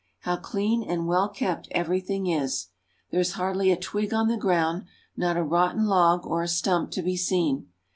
How clean and well kept everything is! There is hardly a twig on the ground, not a rotten log or a stump to be seen.